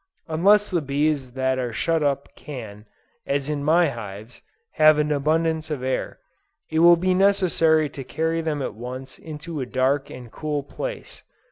Unless the bees that are shut up can, as in my hives, have an abundance of air, it will be necessary to carry them at once into a dark and cool place.